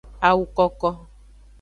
Awu koko.